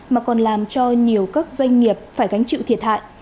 mà còn làm cho nhiều các doanh nghiệp phải gánh chịu thiệt hại